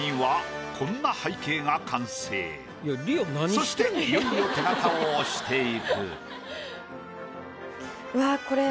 そしていよいよ手形を押していく。